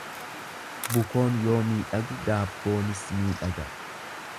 Bukoon yoo miidhagu daabboonis miidhaga.